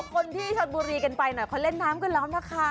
คนที่ชนบุรีกันไปหน่อยเขาเล่นน้ำกันแล้วนะคะ